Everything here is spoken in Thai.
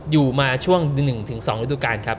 อยู่มาช่วง๑๒ฤดูการครับ